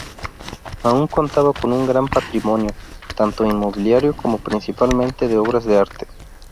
Aún contaba con un gran patrimonio, tanto inmobiliario como, principalmente, de obras de arte.